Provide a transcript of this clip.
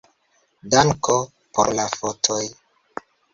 Danko por la fotoj.